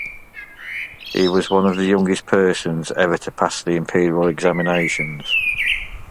He was one of the youngest persons ever to pass the Imperial examinations.